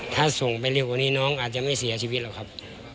ถ้าส่งไปเร็วกว่านี้น้องอาจจะไม่เสียชีวิตหรอกครับ